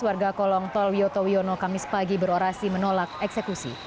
warga kolong tol wiyoto wiono kamis pagi berorasi menolak eksekusi